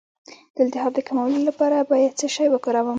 د التهاب د کمولو لپاره باید څه شی وکاروم؟